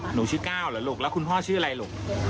หนูชื่อก้าวเหรอลูกแล้วคุณพ่อชื่ออะไรลูก